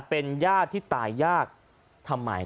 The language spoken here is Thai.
เป็นญาติที่ตายยากทำไม